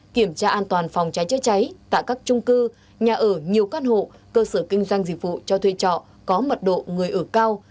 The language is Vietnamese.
kiểm tra an toàn phòng cháy chữa cháy tại các trung cư nhà ở nhiều căn hộ cơ sở kinh doanh dịch vụ cho thuê trọ có mật độ người ở cao